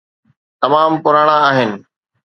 تمام پراڻا آهن.